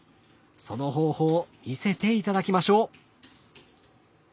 その方法見せて頂きましょう！